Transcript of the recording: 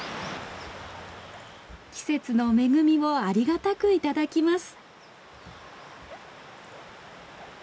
季節の恵みをありがたく頂きます。